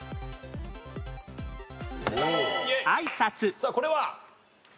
さあこれは？